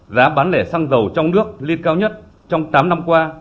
giá bán lẻ xăng dầu trong nước lên cao nhất trong tám năm qua